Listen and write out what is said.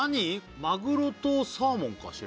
マグロとサーモンかしら？